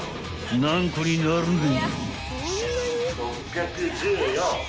［何個になるんでえ］